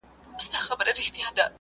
ایا تکړه پلورونکي وچ زردالو صادروي؟